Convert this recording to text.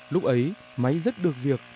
lúc ấy máy rất được việc